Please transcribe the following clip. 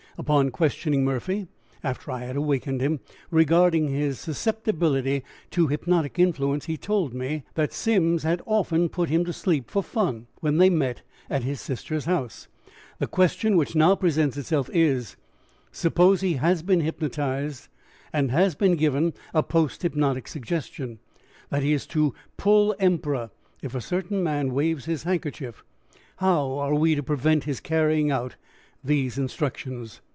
"Upon questioning Murphy, after I had awakened him, regarding his susceptibility to hypnotic influence, he told me that Simms had often put him to sleep for fun, when they met at his sister's house. The question which now presents itself is, Suppose he has been hypnotized and has been given a post hypnotic suggestion, that he is to 'pull' Emperor if a certain man waves his handkerchief, how are we to prevent his carrying out these instructions?